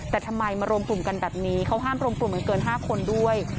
แต่ทำไมมารวมกลุ่มกันแบบนี้เขาห้ามรวมกลุ่มกันเกิน๕คนด้วย